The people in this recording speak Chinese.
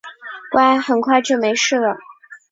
乖，很快就没事了